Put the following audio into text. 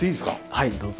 はいどうぞ。